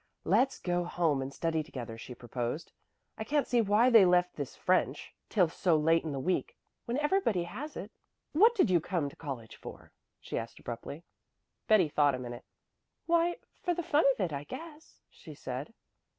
"Let's go home and study together," she proposed. "I can't see why they left this French till so late in the week, when everybody has it. What did you come to college for?" she asked abruptly. Betty thought a minute. "Why, for the fun of it, I guess," she said.